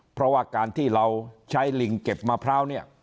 เพราะว่าการที่เราใช้ลิงเก็บมะพร้าวเนี่ย